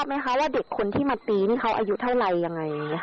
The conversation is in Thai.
ไหมคะว่าเด็กคนที่มาตีนี่เขาอายุเท่าไรยังไง